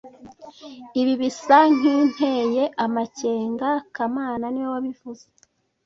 Ibi bisa nkinteye amakenga kamana niwe wabivuze